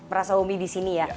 merasa homie disini ya